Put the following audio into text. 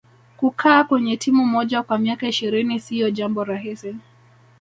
kukaa kwenye timu moja kwa miaka ishirini siyo jambo rahisi